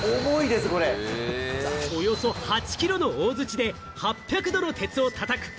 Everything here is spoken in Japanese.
およそ８キロの大槌で８００度の鉄を叩く。